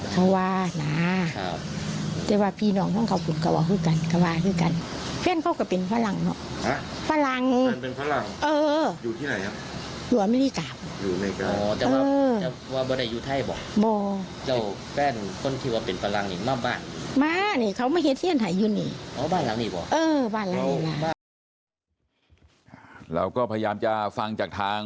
แล้วแฟนคนที่ว่าเป็นพลังนี้มาบ้าน